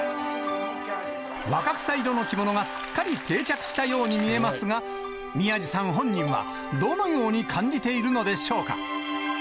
若草色の着物がすっかり定着したように見えますが、宮治さん本人はどのように感じているのでしょうか。